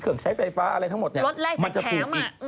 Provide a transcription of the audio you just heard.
ใช้ไฟฟ้าอะไรทั้งหมดเนี่ยมันจะถูกอีก